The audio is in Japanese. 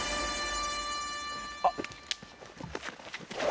あっ。